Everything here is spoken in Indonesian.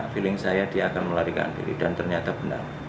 feeling saya dia akan melarikan diri dan ternyata benar